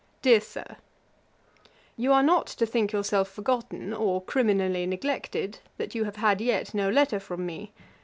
'DEAR SIR, 'You are not to think yourself forgotten, or criminally neglected, that you have had yet no letter from me.